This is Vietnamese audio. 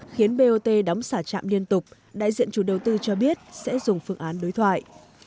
khiến bot đóng xả trạm liên tục đại diện chủ đầu tư cho biết sẽ dùng phương án đối thoại